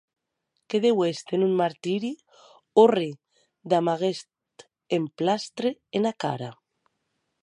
Que deu èster en un martiri òrre damb aguest emplastre ena cara.